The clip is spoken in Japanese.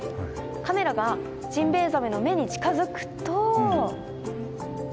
カメラがジンベエザメの目に近づくと。